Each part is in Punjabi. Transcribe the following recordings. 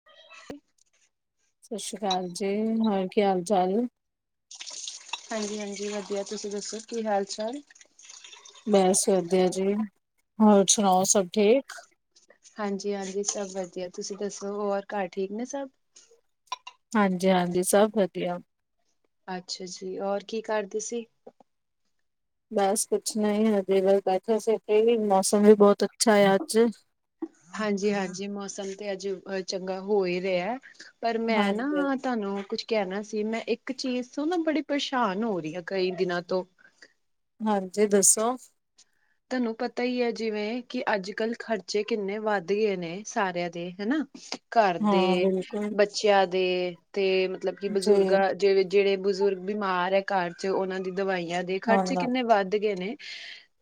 [inaudible] ਸਤਿ ਸ਼੍ਰੀ ਅਕਾਲ ਜੀ ਹੋਰ ਕੀ ਹਾਲ-ਚਾਲ? ਹਾਂਜੀ-ਹਾਂਜੀ ਵਧੀਆ ਤੁਸੀਂ ਦੱਸੋ ਕੀ ਹਾਲ-ਚਾਲ? ਬਸ ਵਧੀਆ ਜੀ ਹੋਰ ਸੁਣਾਓ ਸਭ ਠੀਕ? ਹਾਂਜੀ-ਹਾਂਜੀ ਸਭ ਵਧੀਆ ਤੁਸੀਂ ਦੱਸੋ ਹੋਰ ਘਰ ਠੀਕ ਨੇ ਸਭ? ਹਾਂਜੀ-ਹਾਂਜੀ ਸਭ ਵਧੀਆ। ਅੱਛਾ ਜੀ ਹੋਰ ਕੀ ਕਰਦੇ ਸੀ? ਬਸ ਕੁਛ ਨਈ ਹਜੇ ਵਸ ਬੈਠੇ ਸੀ ਏ ਵੀ ਮੌਸਮ ਵੀ ਬਹੁਤ ਅੱਛਾ ਏ ਅੱਜ। ਹਾਂਜੀ-ਹਾਂਜੀ ਮੌਸਮ ਤੇ ਅੱਜ ਚੰਗਾ ਹੋ ਹੀ ਰਿਆ ਪਰ ਮੈਂ ਨਾ ਹਾਂਜੀ, ਤੁਹਨੂੰ ਕੁਝ ਕਹਿਣਾ ਸੀ ਮੈਂ ਇੱਕ ਚੀਜ਼ ਤੋਂ ਨਾ ਬੜੀ ਪਰੇਸ਼ਾਨ ਹੋ ਰਹੀ ਆ ਕਈ ਦਿਨਾਂ ਤੋਂ। ਹਾਂਜੀ ਦੱਸੋ। ਤੁਹਾਨੂੰ ਪਤਾ ਈ ਐ ਜਿਵੇਂ ਕਿ ਅੱਜ-ਕੱਲ੍ਹ ਖ਼ਰਚੇ ਕਿੰਨੇ ਵੱਧ ਗਏ ਨੇ ਸਾਰਿਆਂ ਦੇ ਹਨਾ ਘਰ ਹਾਂ ਦੇ, ਬਿਲਕੁਲ ਬੱਚਿਆਂ ਦੇ ਤੇ ਮਤਲਬ ਕਿ ਜੀ ਬਜ਼ੁਰਗਾਂ ਜਿਵੇ ਜਿਹੜੇ ਬਜ਼ੁਰਗ ਬਿਮਾਰ ਐ ਘਰ 'ਚ ਉਹਨਾਂ ਦੀ ਦਵਾਈਆਂ ਦੇ ਖਰਚੇ ਹਾਂ ਕਿੰਨੇ ਵੱਧ ਗੇ ਨੇ।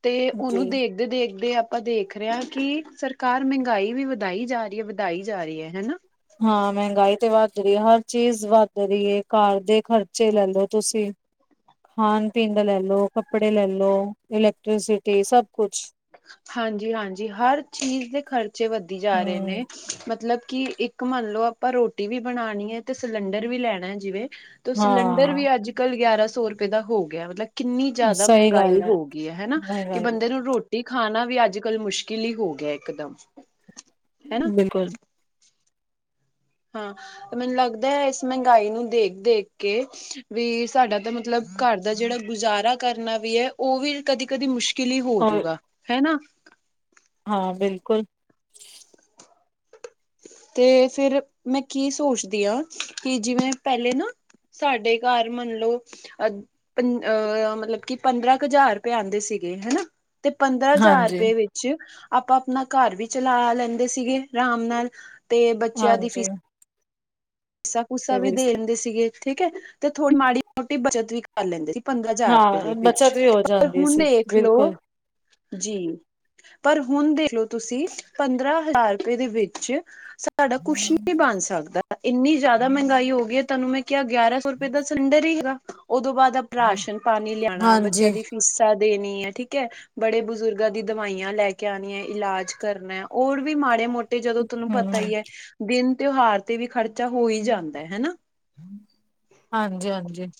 ਤੇ ਉਹਨੂੰ ਜੀ। ਦੇਖ ਦੇਖਦੇ ਆਪਾਂ ਦੇਖ ਰਹੇ ਹਾਂ ਕਿ ਸਰਕਾਰ ਮਹਿੰਗਾਈ ਵੀ ਵਧਾਈ ਜਾ ਰੀ ਐ ਵਧਾਈ ਜਾ ਰੀ ਐ ਹੈਨਾ। ਹਾਂ ਮਹਿੰਗਾਈ ਤੇ ਵੱਧ ਰਹੀ ਹੈ। ਹਰ ਚੀਜ਼ ਵੱਧ ਰਹੀ ਹੈ। ਕਾਰ ਦੇ ਖ਼ਰਚੇ ਲੈ ਲੋ ਤੁਸੀਂ ਖਾਣ ਪੀਣ ਦਾ ਲੈਲੋ ਕੱਪੜੇ ਲੈ ਲੋ ਇਲੈਕਟ੍ਰੀਸਿਟੀ ਸਭ ਕੁਛ ਹਾਂਜੀ-ਹਾਂਜੀ ਹਰ ਚੀਜ਼ ਦੇ ਖ਼ਰਚੇ ਵੱਧਦੀ ਜਾ ਰਹੇ ਹੂੰ, ਨੇ ਮਤਲਬ ਕਿ ਇੱਕ ਮੰਨ ਲਓ ਆਪਾਂ ਰੋਟੀ ਵੀ ਬਣਾਉਣੀ ਹੈ। ਤੇ ਸਿਲੰਡਰ ਵੀ ਲੈਣਾ ਜਿਵੇਂ ਤੇ ਸਿਲੰਡਰ ਵੀ ਹਾਂ ਅੱਜ ਕਾਲ ਗਿਆਰਾਂ ਸੌ ਰੁਪਏ ਦਾ ਹੋ ਗਿਆ। ਮਤਲਬ ਕਿੰਨੀ ਜ਼ਿਆਦਾ ਸਹੀ ਗੱਲ ਮਹਿੰਗਾਈ ਹੋ ਗਈ ਹੈ। ਹਨਾ ਵਾਹਿ ਕਿ ਵਾਹਿ ਬੰਦੇ ਨੂੰ ਰੋਟੀ ਖਾਣਾ ਵੀ ਅੱਜ ਕੱਲ ਮੁਸ਼ਕਿਲ ਹੀ ਹੋ ਗਿਆ ਇਕਦਮ ਹਨਾ ਬਿਲਕੁਲ ਹਾਂ ਤੇ ਮੈਨੂੰ ਲੱਗਦਾ ਹੈ। ਇਸ ਮਹਿੰਗਾਈ ਨੂੰ ਦੇਖ-ਦੇਖ ਕੇ ਵੀ ਸਾਡਾ ਤਾਂ ਮਤਲਬ ਘਰ ਦਾ ਜਿਹੜਾ ਗੁਜ਼ਾਰਾ ਕਰਨਾ ਵੀ ਹੈ। ਉਹ ਵੀ ਕਦੀ ਕਦੀ ਮੁਸ਼ਕਿਲ ਕਿਲੀ ਔਰ ਹੋਜੂਗਾ ਹਨਾ ਹਾਂ ਬਿਲਕੁਲ ਤੇ ਫਿਰ ਮੈਂ ਕੀ ਸੋਚਦੀ ਹਾਂ ਕਿ ਜਿਵੇਂ ਪਹਿਲੇ ਨਾ ਸਾਡੇ ਘਰ ਮੰਨਲਓ ਅ ਪੰਹ ਮਤਲਬ ਕਿ ਪੰਦਰਾਂ ਕੁ ਹਜ਼ਾਰ ਰੁਪੀਏ ਆਉਂਦੇ ਸੀਗੇ ਹਨਾ ਤੇ ਪੰਦਰਾਂ ਹਜ਼ਾਰ ਹਾਂਜੀ। ਰੁਪਏ ਵਿੱਚ ਆਪਾਂ ਆਪਣਾ ਘਰ ਵੀ ਚਲਾ ਲੈਂਦੇ ਸੀਗੇ ਆਰਾਮ ਨਾਲ ਤੇ ਬੱਚਿਆਂ ਦੀ ਫੀਸ ਹਾਂਜੀ ਪੈਸਾ- ਪੂਸਾ ਵੀ ਦੇ ਦਿੰਦੇ ਸੀਗੇ ਠੀਕ ਹੈ। ਤੇ ਥੋੜੀ ਮਾੜੀ ਮੋਟੀ ਬੱਚਤ ਵੀ ਕਰ ਲੈਂਦੇ ਸੀ ਪੰਦਰਾਂ ਹਜ਼ਾਰ ਰੁਪਏ ਹਾਂ ਦੇ ਵਿੱਚ ਬੱਚਤ ਵੀ ਹੋ ਪਰ ਜਾਂਦੀ ਹੁਣ ਸੀ ਦੇਖਲੋ ਬਿਲਕੁਲ। ਜੀ ਪਰ ਹੁਣ ਦੇਖਲੋ ਤੁਸੀਂ ਪੰਦਰਾਂ ਹਜ਼ਾਰ ਰੁਪਏ ਦੇ ਵਿੱਚ ਸਾਡਾ ਕੁਛ ਨਹੀਂ ਬਣ ਸਕਦਾ ਇੰਨੀ ਜ਼ਿਆਦਾ ਮਹਿੰਗਾਈ ਹੋ ਗਈ ਹੈ। ਤੁਹਾਨੂੰ ਮੈਂ ਕਿਹਾ ਗਿਆਰਾਂ ਸੌ ਰੁਪਏ ਦਾ ਸਿਲੰਡਰ ਹੀ ਹੈਗਾ ਓਦੋਂ ਬਾਅਦ ਆਪਾਂ ਰਾਸ਼ਨ ਪਾਣੀ ਲਿਆਣਾ ਹਾਂਜੀ, ਬੱਚਿਆਂ ਦੀ ਫੀਸਾਂ ਦੇਣੀ ਹੈ, ਠੀਕ ਹੈ। ਬੜੇ ਬਜ਼ੁਰਗਾਂ ਦੀ ਦਵਾਈਆਂ ਲੈ ਕੇ ਆਣੀਆਂ ਇਲਾਜ ਕਰਨਾ ਹੋਰ ਵੀ ਮਾੜੇ ਮੋਟੇ ਤੇ ਜਦੋਂ ਤੁਹਨੂੰ ਪਤਾ ਹੀ ਹੈ। ਹਾਂਜੀ-ਹਾਂਜੀ। ਦਿਨ ਤਿਉਹਾਰ ਤੇ ਵੀ ਖ਼ਰਚਾ ਹੋ ਹੀ ਜਾਂਦਾ ਹੈ ਹਨਾ ਹਾਂਜੀ-ਹਾਂਜੀ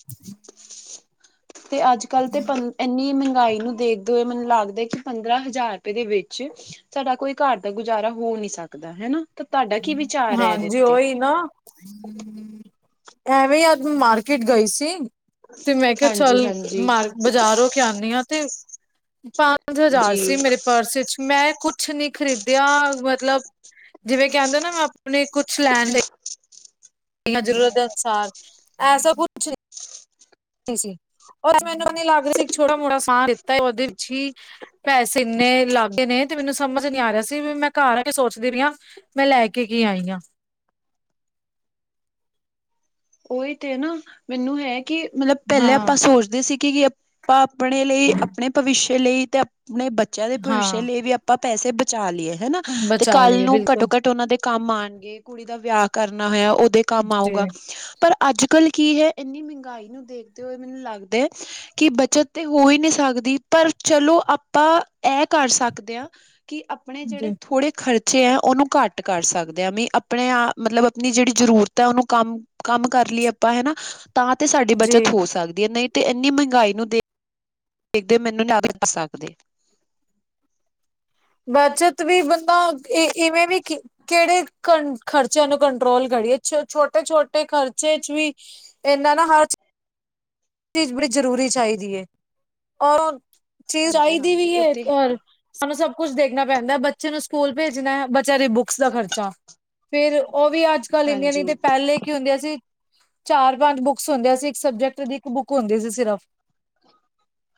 ਤੇ ਅੱਜ ਕੱਲ੍ਹ ਤੇ ਪੰ ਇੰਨੀ ਮਹਿੰਗਾਈ ਨੂੰ ਦੇਖਦੇ ਹੋਏ ਮੈਨੂੰ ਲੱਗਦਾ ਕਿ ਪੰਦਰਾਂ ਹਜ਼ਾਰ ਰੁਪਏ ਦੇ ਵਿੱਚ ਸਾਡਾ ਕੋਈ ਘਰ ਦਾ ਗੁਜ਼ਾਰਾ ਹੋ ਨਹੀਂ ਸਕਦਾ ਹਨਾ ਤਾਂ ਤੁਹਾਡਾ ਕੀ ਵਿਚਾਰ ਹੈ ਇਹਦੇ ਹਾਂਜੀ ਉੱਤੇ ਉਹੀ ਨਾ ਐਵੇਂ ਅੱਜ ਮਾਰਕੀਟ ਗਈ ਸੀ ਤੇ ਮੈਂ ਕਿਹਾ ਹਾਂਜੀ ਚੱਲ ਹਾਂਜੀ ਬਾਜ਼ਾਰ ਹੋ ਕੇ ਆਉਂਦੀ ਹਾਂ ਤੇ ਪੰਜ ਹਜ਼ਾਰ ਜੀ ਸੀ ਮੇਰੇ ਪਰਸ ਵਿੱਚ ਮੈਂ ਕੁਛ ਨੀ ਖ਼ਰੀਦਿਆ ਮਤਲਬ ਕਹਿੰਦਾ ਨਾ ਮੈਂ ਆਪਣੇ ਕੁਛ ਲੈਣ ਦੇ ਇੰਨਾ ਜ਼ਰੂਰਤ ਹੈ ਅਨੁਸਾਰ ਐਸਾ ਕੁ [unintelligible] ਮੈਨੂੰ ਨੀ ਲੱਗ ਰਿਹਾ ਸੀ ਇੱਕ ਛੋਟਾ ਮੋਟਾ ਸਮਾਂ ਦਿੱਤਾ ਉਹਦੇ ਵਿੱਚ ਹੀ ਪੈਸੇ ਇੰਨੇ ਲਗੇ ਨੇ ਤੇ ਮੈਨੂੰ ਸਮਝ ਨੀ ਆ ਰਿਹਾ ਸੀ ਵੀ ਮੈਂ ਘਰ ਆ ਕੇ ਸੋਚਦੀ ਰਹੀ ਹਾ ਮੈਂ ਲੈ ਕੇ ਕੀ ਆਈ ਹਾਂ। ਉਹੀ ਤੇ ਨਾ ਮੈਨੂੰ ਹੈ। ਕਿ ਮਤਲਬ ਪਹਿਲਾਂ ਹਾਂ ਆਪਾਂ ਸੋਚਦੇ ਸੀ ਕਿ ਆਪਾਂ ਆਪਣੇ ਲਈ ਆਪਣੇ ਭਵਿੱਸ਼ ਲਈ ਅਤੇ ਆਪਣੇ ਬੱਚਿਆਂ ਦੇ ਭਵਿੱਖ ਹਾਂ ਲਈ ਵੀ ਆਪਾਂ ਪੈਸੇ ਬਚਾ ਲਈਏ ਹਨਾ ਤੇ ਬਚਾ ਕੱਲ ਲਈਏ ਨੂੰ ਬਿਲਕੁਲ ਘੱਟੋ-ਘੱਟ ਉਹਨਾਂ ਦੇ ਕੰਮ ਆਉਣਗੇ ਕੁੜੀ ਦਾ ਵਿਆਹ ਕਰਨਾ ਹੋਇਆ ਉਹਦੇ ਕੰਮ ਜੀ ਆਊਗਾ ਪਰ ਅੱਜ ਕਲ ਕੀ ਹੈ। ਇੰਨੀ ਮਹਿੰਗਾਈ ਨੂੰ ਦੇਖਦੇ ਹੋਏ ਮੈਨੂੰ ਲੱਗਦਾ ਕਿ ਬੱਚਤ ਤੇ ਹੋ ਹੀ ਨਹੀਂ ਸਕਦੀ ਪਰ ਚਲੋ ਆਪਾਂ ਇਹ ਕਰ ਸਕਦੇ ਹਾਂ ਕਿ ਆਪਣੇ ਜਿਹੜੇ ਜੀ ਥੋੜੇ ਖਰਚ ਬੱਚੇ ਹੈ ਉਹਨੂੰ ਘੱਟ ਕਰ ਸਕਦੇ ਆ ਵੀ ਆਪਣੇ ਆਪ ਮਤਲਬ ਆਪਣੀ ਜਿਹੜੀ ਜ਼ਰੂਰਤ ਹੈ ਉਹਨੂੰ ਕੰਮ ਕੰਮ ਕਰ ਲਈਏ ਆਪਾਂ ਹਨਾ ਤਾਂ ਤੇ ਸਾਡੀ ਜੀ ਬੱਚਤ ਹੋ ਸਕਦੀ ਹੈ। ਨਹੀਂ ਤੇ ਇੰਨੀ ਮਹਿੰਗਾਈ ਨੂੰ ਦੇ [unintelligible] ਬੱਚਤ ਵੀ ਬੰਦਾ ਇਵੇਂ ਵੀ ਕੀ ਕਿਹੜੇ ਖਰਚਿਆਂ ਨੂੰ ਕੰਟਰੋਲ ਕਰੀਏ ਛੋਟੇ-ਛੋਟੇ ਖਰਚੇ ਚ ਵੀ ਇੰਨਾ ਨਾ ਹਰ ਚੀਜ਼ ਬੜੀ ਜ਼ਰੂਰੀ ਚਾਈਦੀ ਏ ਔਰ ਚੀਜ਼ ਹਾਂਜੀ ਚਾਈਦੀ ਵੀ ਹਾਂਜੀ ਉਹ ਏ ਤੇ ਹੈ। ਪਰ ਸਾਨੂੰ ਸਭ ਕੁਛ ਦੇਖਣਾ ਪੈਂਦਾ ਬੱਚੇ ਨੂੰ ਸਕੂਲ ਭੇਜਣਾ ਬੱਚਿਆਂ ਦੀ ਬੁੱਕ ਏਸਟਰਾ [inaudible] ਖਰਚਾ ਫੇਰ ਉਹ ਵੀ ਅੱਜ ਕੱਲ ਇੰਨੀਆਂ ਨੀ ਹਾਂਜੀ ਤੇ ਪਹਿਲੇ ਕੀ ਹੁੰਦੀਆਂ ਸੀ। ਚਾਰ ਪੰਜ ਬੁੱਕਸ ਹੁੰਦੀਆਂ ਸੀ ਇੱਕ ਸਬਜੈਕਟ ਦੀ ਇੱਕ ਬੁੱਕ ਹੁੰਦੀ ਸੀ ਸਿਰਫ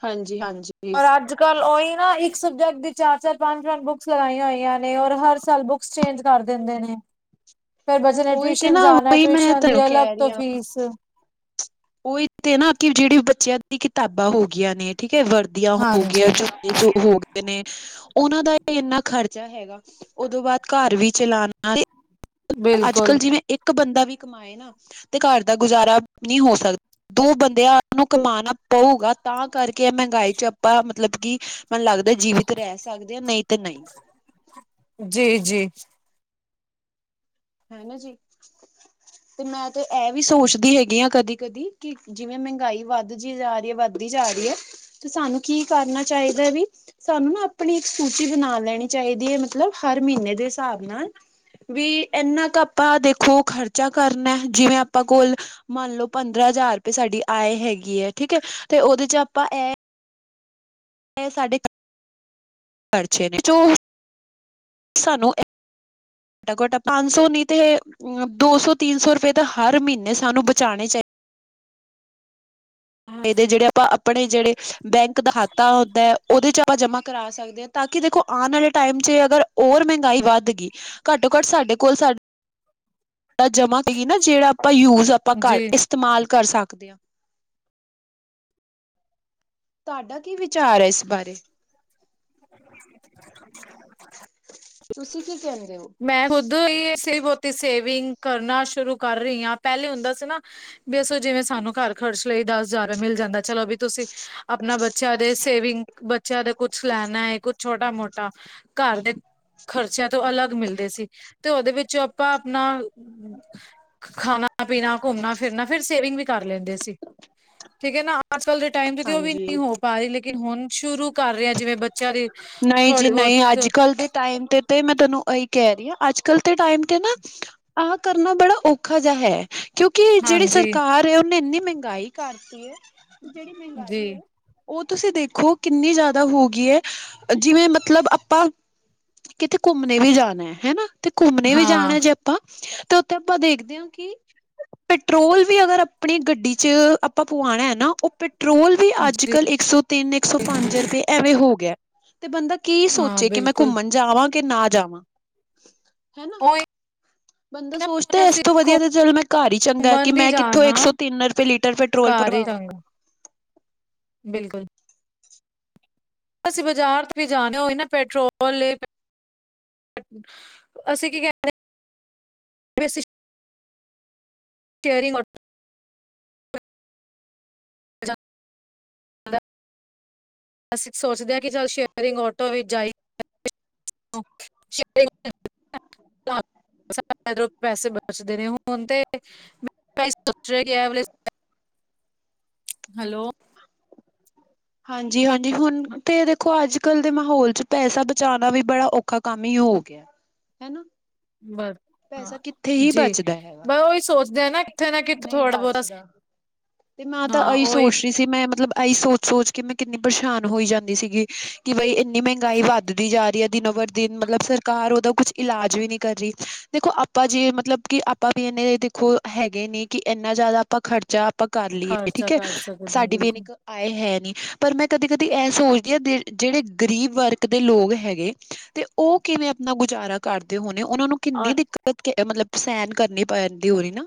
ਹਾਂਜੀ ਹਾਂਜੀ ਕਲ ਉਹੀ ਨਾ ਇੱਕ ਸਬਜੈਕਟ ਦੀ ਚਾਰ ਚਾਰ ਪੰਜ ਪੰਜ ਬੁੱਕਸ ਲਗਾਈਆਂ ਹੋਈਆਂ ਨੇ ਔਰ ਹਰ ਸਾਲ ਬੁੱਕ ਐਸਚੇਂਜ ਕਰ ਦੇਂਦੇ ਨੇ। ਫੇਰ ਬੱਚੇ ਨੇ ਉਹੀ ਤੇ ਟਿਊਸ਼ਨ ਨਾ ਜਾਣਾ ਉਹੀ ਮੈਂ ਟਿਊਸ਼ਨ ਦੀ ਤੁਹਾਨੂੰ ਅਲੱਗ ਤੋਂ ਫੀਸ ਓਈ ਤੇ ਨਾ ਕਿ ਜੇ ੜੀ ਬੱਚਿਆਂ ਦੀ ਕਿਤਾਬਾਂ ਹੋਗੀਆਂ ਨੇ ਠੀਕ ਐ, ਵਰਦੀਆਂ ਹਾਂਜੀ ਹੋਗੀਆਂ, ਜੁ ਜੋ ਹੋ ਗਏ ਨੇ ਉਹਨਾਂ ਦਾ ਇੰਨਾ ਖ਼ਰਚਾ ਹੈਗਾ ਉਹਦੋਂ ਬਾਅਦ ਘਰ ਵੀ ਚਲਾਣਾ [unintelligible] ਅੱਜ-ਕਲ ਬਿਲਕੁਲ ਜਿਵੇਂ ਇੱਕ ਇੱਕ ਬੰਦਾ ਵੀ ਕਮਾਏ ਨਾ ਤੇ ਘਰ ਦਾ ਗੁਜ਼ਾਰਾ ਨਹੀਂ ਹੋ ਸਕਦਾ। ਦੋ ਬੰਦਿਆਂ ਆਪ ਨੂੰ ਕਮਾਉਣਾ ਪਊਗਾ ਤਾਂ ਕਰਕੇ ਐ ਮਹਿੰਗਾਈ 'ਚ ਆਪਾਂ ਮਤਲਬ ਕਿ ਮੈਨੂੰ ਲੱਗਦਾ ਜੀਵਿਤ ਰਹਿ ਸਕਦੇ ਆ ਨਹੀਂ ਤੇ ਨਹੀਂ ਜੀ, ਜੀ। ਹੈਨਾ ਜੀ ਤੇ ਮੈਂ ਤੇ ਐ ਵੀ ਸੋਚਦੀ ਹੈਗੀ ਆਂ ਕਦੀ-ਕਦੀ ਕਿ ਜਿਵੇਂ ਮੈਂਹਗਾਈ ਵੱਧ ਜੀ ਜਾਰੀ ਐ, ਵੱਧਦੀ ਜਾਰੀਐ ਤੇ ਸਾਨੂੰ ਕੀ ਕਰਨਾ ਚਾਈਦਾ ਵੀ? ਸਾਨੂੰ ਨਾ ਆਪਣੀ ਇੱਕ ਸੂਚੀ ਬਣਾ ਲੈਣੀ ਚਾਈਦੀ ਐ ਮਤਲਬ ਹਰ ਮੀਨੇ ਦੇ ਹਿਸਾਬ ਨਾਲ। ਵੀ ਇੰਨਾ ਕੁ ਆਪਾਂ ਦੇਖੋ ਖ਼ਰਚਾ ਕਰਨਾ, ਜਿਵੇਂ ਆਪਾਂ ਕੋਲ ਮੰਨ ਲੋ ਪੰਦਰਾਂ ਹਜ਼ਾਰ ਰੁਪਏ ਸਾਡੀ ਆਏ ਹੈਗੇ ਐ ਠੀਕ ਐ, ਤੇ ਓਦੇ ਚ' ਆਪਾਂ ਐ [unintelligible] ਸਾਡੇ ਖਰਚੇ ਨੇ ਜੋ ਸਾਨੂੰ ਘਟੋ -ਘਟ, ਪੰਜ ਸੌ ਨੀ ਤੇ ਅਮ ਦੋ- ਸੌ ਤਿੰਨ ਸੌ ਰੁਪਏ ਤਾਂ ਹਰ ਮੀਨੇ ਸਾਨੂੰ ਬਚਾਣੇ ਚਾ ਈਦੇ ਜੇੜੇ ਆਪਾਂ ਆਪਣੇ ਜੇੜੇ, ਬੈਂਕ ਦਾ ਖਾਤਾ ਹੁੰਦੈ ਓਦੇ ਚ' ਆਪਾਂ ਜਮਾਂ ਕਰਾ ਸਕਦੇ ਆ। ਤਾਂ ਕੀ ਦੇਖੋ ਆਣ ਆਲੇ ਟਾਈਮ ਚ' ਅਗਰ ਓਰ ਮਹਿੰਗਾਈ ਵੱਧ ਗੀ, ਘੱਟੋ- ਘੱਟ ਸਾਡੇ ਕੋਲ ਸਾ ਆ ਜਮਾ ਕਈਏ ਨਾ ਜੇੜਾ ਆਪਾਂ ਯੂਜ ਆਪਾਂ ਘਰ ਜੀ ਇਸਤੇਮਾਲ ਕਰ ਸਕਦੇ ਆ। ਤੁਆਡਾ ਕੀ ਵਿਚਾਰ ਐ ਇਸ ਬਾਰੇ? [inaudible] ਤੁਸੀਂ ਕੀ ਕੈਂਦੇ ਓ? ਮੈਂ ਖੁਦ ਈ ਏਸ ਲਈ ਬੋਹਤੀ ਸੇਵਿੰਗ ਕਰਨਾ ਸ਼ੁਰੂ ਕਰ ਰੀ ਆ ਪੈਲੇ ਹੁੰਦਾ ਸੀ ਨਾ ਵੀ ਅੱਸੋ ਜਿਵੇਂ ਸਾਨੂੰ ਘਰ ਖਰਚ ਲਈ ਦੱਸ ਜਾਰਾ ਮਿਲ ਜਾਂਦਾ ਚਲੋ ਵੀ ਤੁਸੀਂ, ਆਪਣਾ ਬੱਚਿਆਂ ਦੇ ਸੇਵਿੰਗ ਬਚਿਆਂ ਦਾ ਕੁੱਛ ਲੈਣਾ ਏ ਕੁੱਛ ਛੋਟਾ- ਮੋਟਾ, ਘਰ ਦੇ ਖਰਚਿਆਂ ਤੋਂ ਅਲ ਮਿਲਦੇ ਸੀ ਤੇ ਓਦੇ ਵਿਚੋਂ ਆਪਾਂ ਆਪਣਾ ਖਾਣਾ-ਪੀਣਾ, ਘੁੰਮਣਾ- ਫਿਰਨਾ ਫੇਰ ਸੇਵਿੰਗ ਵੀ ਕਰ ਲੈਂਦੇ ਸੀ ਠੀਕ ਐ ਨਾ। ਅੱਜ ਕੱਲ ਦੇ ਟਾਈਮ ਤੇ-ਤੇ ਓ ਵੀ ਹਾਂਜੀ ਨੀ ਹੋ ਪਾਰੀ ਲੇਕਿਨ, ਹੁਣ ਸ਼ੁਰੂ ਕਰ ਰਿਆ ਜਿਵੇਂ ਬੱਚਿਆਂ ਦੀ, ਥੋੜੀ- ਬੋਤ ਕੱਲ ਦੇ ਟਾਈਮ ਤੇ ਤੇ ਮੈਂ ਤਨੂੰ ਅਈ ਕੈਰੀ ਆ, ਅੱਜ ਕੱਲ ਦੇ ਟਾਈਮ ਤੇ ਨਾ ਆਹ ਕਰਨਾ ਬੜਾ ਔਖਾ ਜਾ ਹੈ। ਕਿਉਂਕੀ ਜੇੜੀ ਹਾਂਜੀ ਸਰਕਾਰ ਐ ਓਨੇ ਇੰਨੀ ਮਹਿੰਗਾਈ ਕਰਤੀ ਰ, ਜੇੜੀ ਮਹਿੰਗਾਈ ਜੀ ਐ ਓ ਤੁਸੀਂ ਦੇਖੋ, ਕਿੰਨੀ ਜਾ ਦਾ ਹੋਗੀ ਐ, ਜਿਵੇਂ ਮਤਲਬ ਆਪਾਂ ਕਿਤੇ ਘੁੰਮਣੇ ਵੀ ਜਾਣਾ ਐ ਹੈਨਾ। ਤੇ ਘੁੰਮਣੇ ਵੀ ਹਾਂ ਜਾਣਾ ਜੇ ਆਪਾਂ, ਤੇ ਉੱਥੇ ਆਪਾਂ ਦੇਖਦੇ ਆ ਕੀ ਪੈਟਰੋਲ ਵੀ ਅਗਰ ਆਪਣੀ ਗੱਡੀ ਚ' ਆਪਾਂ ਪਵਾਣਾ ਐ ਨਾ, ਓ ਪੈਟਰੋਲ ਵੀ ਅੱਜ ਜੀ। ਕੱਲ੍ਹ ਇੱਕ ਸੌ ਤਿੰਨ, ਇੱਕ ਸੌ ਪੰਜ ਰੁਪਏ ਐਵੇਂ ਹੋ ਗਿਆ। ਤੇ ਬੰਦਾ ਕੀ ਹਾਂ ਸੋਚੇ ਕੀ ਮੈਂ ਬਿਲਕੁਲ ਘੁੰਮਣ ਜਾਵਾਂ ਕੇ ਨਾ ਜਾਵਾਂ। ਹੈਨ। ਓ ਏ ਬੰਦਾ ਸੋਚਦੈ ਇਸ ਤੋਂ ਵਧੀਆ ਤੇ ਚੱਲ ਮੈਂ ਘਰ ਈ ਚੰਗਾ ਕੀ ਘੁੰਮਣ ਵੀ ਮੈਂ ਕਿੱਥੋਂ ਜਾਣਾ ਇੱਕ ਸੌ ਤਿੰਨ ਰੁਪਏ ਲੀਟਰ ਪੈਟਰੋਲ ਭਰਵਾਵਾਂ। ਬਿਲਕੁੱਲ। ਅਸੀਂ ਬਾਜ਼ਾਰ ਤੇ ਵੀ ਜਾਣੇ ਹੋ ਨਾ ਪੈਟਰੋਲ ਅਸੀਂ ਕੀ ਕਹਿੰਦੇ [unintelligible] [unintelligible] ਜਾਂਦਾ, ਅਸੀਂ ਸੋਚਦੇ ਹਾਂ ਕਿ ਚੱਲ ਸ਼ੇਅਰਿੰਗ ਆਟੋ ਵਿੱਚ ਜਾਈ [inaudible] ਪੈਸੇ ਬਚਦੇ ਨੇ ਹੁਣ ਤੇ ਸੋਚ ਹੈਲੋ ਹਾਂਜੀ ਹਾਂਜੀ ਹੁਨ ਤੇ ਦੇਖੋ ਅੱਜ ਕੱਲ੍ਹ ਦੇ ਮਾਹੌਲ ਚ ਪੈਸਾ ਬਚਾਨਾ ਵੀ ਬੜਾ ਔਖਾ ਕੰਮ ਹੀ ਹੋ ਗਿਆ ਹਨਾ [inaudible] ਹਾਂ ਪੈਸਾ ਕਿੱਥੇ ਹੀ ਜੀ ਬਚਦਾ ਹੈਗਾ ਬ ਉਹੀ ਸੋਚਦੇ ਆ ਨਾ ਕਿੱਥੇ ਨਾ ਕਿਥ ਨਹੀਂ ਥੋੜਾ ਬਹੁਤਾ ਬਚਦਾ। ਮੈਂ ਤਾਂ ਹਾਂ ਇਹੀ ਉਹੀ ਸੋਚ ਰਹੀ ਸੀ ਮੈਂ ਮਤਲਬ ਇਹੀ ਸੋਚ ਸੋਚ ਕੇ ਮੈਂ ਕਿੰਨੀ ਪਰੇਸ਼ਾਨ ਹੋਈ ਜਾਂਦੀ ਸੀਗੀ ਕਿ ਬਈ ਇੰਨੀ ਮਹਿੰਗਾਈ ਵੱਧਦੀ ਜਾ ਰਹੀ ਹੈ ਦਿਨੋ ਬਰ ਦਿਨ ਮਤਲਬ ਸਰਕਾਰ ਉਹਦਾ ਕੁਛ ਇਲਾਜ ਵੀ ਨੀ ਕਰ ਰੀ ਦੇਖੋ ਆਪਾਂ ਜੇ ਮਤਲਬ ਕਿ ਆਪਾਂ ਵੀ ਇਹਨੇ ਦੇਖੋ ਹੈਗੇ ਨੇ ਕਿ ਇੰਨਾ ਜ਼ਿਆਦਾ ਆਪਾਂ ਖਰਚਾ ਆਪਾਂ ਕਰ ਲਈਏ ਖਰਚਾ ਠੀਕ ਏ ਕਰ ਸਕਦੇ ਸਾਡੀ ਵੀਨ ਬਿਲਕੁਲ ਇੱਕ ਆਏ ਹੈ ਨਹੀਂ ਪਰ ਮੈਂ ਕਦੀ ਕਦੀ ਇਹ ਸੋਚਦੀ ਹਾਂ ਜਿਹੜੇ ਗਰੀਬ ਵਰਗ ਦੇ ਲੋਕ ਹੈਗੇ ਤੇ ਉਹ ਕਿਵੇਂ ਆਪਨਾ ਗੁਜ਼ਾਰਾ ਕਰਦੇ ਹੋਨੇ ਉਹਨਾਂ ਨੂੰ ਕਿੰਨੀ ਦਿੱਕਤ ਮਤਲਬ ਸਹਿਨ ਕਰਨੀ ਪੈਂਦੀ ਹੋ ਰਹੀ ਨਾ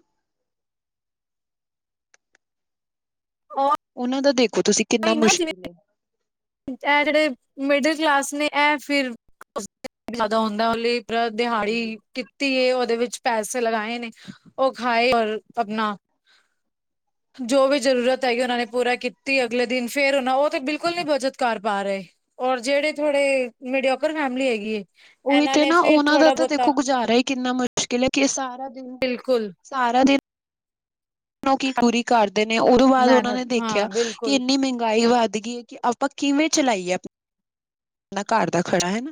[unintelligible] ਓਹਨਾਂ ਦਾ ਦੇਖੋ ਤੁਸੀਂ ਕਿੰਨਾ ਉਹੀ ਨਾ ਜਿਵੇਂ ਮੁਸ਼ਕਿਲ ਏ ਇਹ ਜਿਹੜੇ ਮਿਡਲ ਕਲਾਸ ਨੇ ਇਹ ਫਿਰ [unintelligible] ਜ਼ਿਆਦਾ ਹੁੰਦਾ [unintelligible] ਹਾਂਜੀ। ਦਿਹਾੜੀ ਧੀਏ ਉਹਦੇ ਵਿੱਚ ਪੈਸੇ ਲਗਾਏ ਨੇ ਉਹ ਖਾਏ ਔਰ ਆਪਨਾ ਜੋ ਵੀ ਜ਼ਰੂਰਤ ਹੈਗੀ ਉਹਨਾਂ ਨੇ ਪੂਰਾ ਕੀਤੀ ਅਗਲੇ ਦਿਨ ਫੇਰ ਉਹਨਾਂ ਉਹ ਤੇ ਬਿਲਕੁਲ ਨੀ ਬਚਤ ਕਰ ਪਾ ਰਹੇ ਔਰ ਜਿਹੜੇ ਥਹਾੜੇ ਮੀਡੀਯਓਕਰ ਫੈਮਿਲੀ ਹੈਗੀ ਉਹੀ ਇਹਨਾਂ ਤੇ ਨੇ ਨਾ ਫਿਰ ਉਹਨਾਂ ਦਾ ਥੋੜਾ ਤਾਂ ਬਹੁਤਾ ਦੇਖੋ ਗੁਜ਼ਾਰਾ ਹੀ ਕਿੰਨਾ ਮੁਸ਼ਕਿਲ ਏ ਕਿ ਸਾਰਾ ਦਿਨ ਬਿਲਕੁਲ ਸਾਰਾ ਦਿਨ ਕੀ ਪੂਰੀ ਕਰਦੇ ਨੇ ਉਹਦੋਂ ਬਾਅਦ ਉਹਨਾਂ ਨੇ ਮਿਹਨਤ ਦੇਖਿਆ ਹਾਂ ਕਿ ਬਿਲਕੁਲ ਇੰਨੀ ਮਹਿੰਗਾਈ ਵੱਧ ਗਈ ਕਿ ਆਪਾਂ ਕਿਵੇਂ ਚਲਾਈਏ ਆਪਣਨਾ ਘਰ ਦਾ ਖੜਾ ਹਨਾ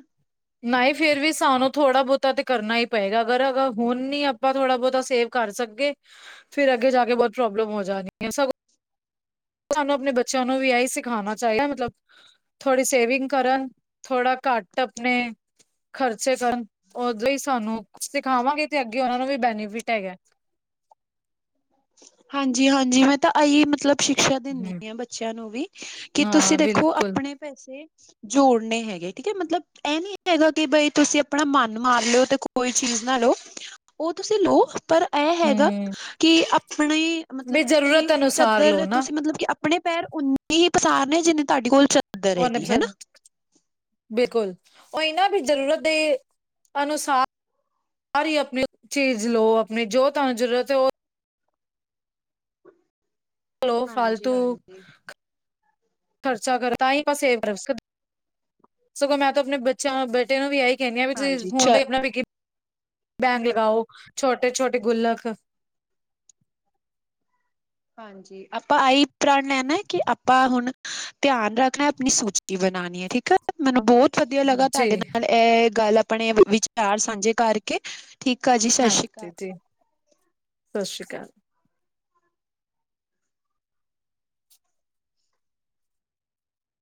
ਨਹੀਂ ਫੇਰ ਵੀ ਸਾਨੂੰ ਥੋੜਾ ਬਹੋਤਾ ਤੇ ਕਰਨਾ ਹੀ ਪਏਗਾ ਅਗਰ ਅ ਹੁਨ ਨੀ ਆਪਾ ਥੋੜਾ ਬਹੁਤਾ ਸੇਵ ਕਰ ਸਗੇ ਫੇਰ ਅੱਗੇ ਜਾ ਕੇ ਬਹੁਤ ਪ੍ਰੋਬਲਮ ਹੋ ਜਾਨੀ ਏ ਸਗੋਂ ਸਾਨੂੰ ਆਪਨੇ ਬੱਚਿਆਂ ਨੂੰ ਵੀ ਇਹੀ ਸਿਖਾਨਾ ਚਾਹੀਦਾ ਮਤਲਬ ਥੋੜ੍ਹੀ ਸੇਵਿੰਗ ਕਰਨ ਥੋੜਾ ਘੱਟ ਆਪਣੇ ਖ਼ਰਚੇ ਕਰਨ ਉਹ ਲਈ ਸਾਨੂੰ ਸਿਖਾਵਾਂਗੇ ਤੇ ਅੱਗੇ ਉਹਨਾਂ ਨੂੰ ਵੀ ਬੈਨੀਫਿਟ ਹੈਗਾ ਹਾਂਜੀ ਹਾਂਜੀ ਮੈਂ ਤਾਂ ਆਈ ਮਤਲਬ ਸ਼ਿਕਸ਼ਾ ਦਿੰਦੀ ਹਮ, ਹ ਬੱਚਿਆਂ ਨੂੰ ਵੀ ਕਿ ਤੁਸੀਂ ਹਾਂ ਦੇਖੋ ਬਿਲਕੁਲ ਆਪਣੇ ਪੈਸੇ ਜੋੜਨੇ ਹੈਗੇ ਠੀਕੇ ਮਤਲਬ ਇਹ ਨੀ ਹੈਗਾ ਕਿ ਬਈ ਤੁਸੀਂ ਆਪਣਾ ਮਨ ਮਾਰ ਲਓ ਤੇ ਕੋਈ ਚੀਜ਼ ਨਾ ਲਓ ਉਹ ਤੁਸੀਂ ਲੋਓ ਪਰ ਇਹ ਹੈਗਾ ਹੂੰ ਕਿ ਆਪਣੇ ਮਤਲਬ ਵੀ ਕਿ ਜ਼ਰੂਰਤ ਅਨੁਸਾਰ ਲਓ ਚਦਰ ਨਾ ਤੁਸੀਂ ਮਤਲਬ ਕਿ ਆਪਣੇ ਪੈਰ ਉਓਨੇ ਹੀ ਪਸਾਰ ਨੇ ਜਿੰਨੇ ਤੁਹਾਡੇ ਕੋਲ ਚ [unintelligible] ਬਿਲਕੁਲ ਉਹ ਇਹਨਾਂ ਵੀ ਜ਼ਰੂਰਤ ਦੇ ਅਨੁਸਾਰ [unintelligible] ਆਪਣੀ ਚੀਜ਼ ਲਓ ਆਪਣੀ ਜੋ ਤੂਸਾਨੂੰ ਜ਼ਰੂਰਤ ਹੈ ਉਹ ਲੋ ਫਾਲਤੂ ਹਾਂਜੀ-ਹਾਂਜੀ। ਹਾਂਜੀ ਖਰਚਾ ਕਰ ਤਾਂ ਹੀ ਪਾਸੇ ਸਗੋਂ ਮੈਂ ਤਾਂ ਆਪਨੇ ਬੱਚਿਆਂ ਬੇਟੇ ਨੂੰ ਵੀ ਆਈ ਕੈਹਨੀ ਆ ਵੀ ਤੁਸੀਂ ਹਾਂਜੀ ਹੁਨ ਚ ਤਾਂ ਆਪਨਾ ਬੈਂਗ ਲਗਾਓ ਛੋਟੇ ਛੋਟੇ ਗੁੱਲਕ ਹਾਂਜੀ ਆਪਾਂ ਇਹੀ ਪ੍ਰਾਨ ਲੈਨੈ ਕਿ ਆਪਾਂ ਹੁਨ ਧਿਆਨ ਰੱਖਣਾ ਆਪਣੀ ਸੂਚੀ ਬਨਾਨ ਠੀਕ ਆ ਮੈਨੂੰ ਬਹੋਤ ਵਧੀਆ ਲੱਗਾ ਜੀ ਤੁਹਾਡੇ ਨਾਲ ਇਹ ਗੱਲ ਆਪਣੇ ਵਿਚਾਰ ਸਾਂਝੇ ਕਰਕੇ ਠੀਕ ਆ ਜੀ ਸਤਿ ਸ਼੍ਰੀ ਅਕਾਲ। ਹਾਂਜੀ ਜੀ ਸਤਿ ਸ਼੍ਰੀ ਕਾਲ